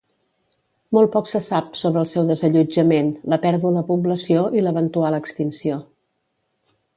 Molt poc se sap sobre el seu desallotjament, la pèrdua de població i l'eventual extinció.